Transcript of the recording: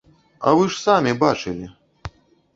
А вы ж самі бачылі!